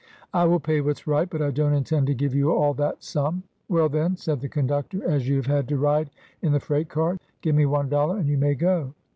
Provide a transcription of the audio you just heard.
" I will pay what 's right, but I don 't intend to give you all that sum." "Well, then," said the conductor, " as you have had to ride in the freight car, give me one dollar and you may go."